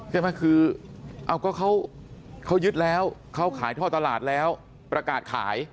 ใช่ไหมคือเอาก็เขายึดแล้วเขาขายท่อตลาดแล้วประกาศขาย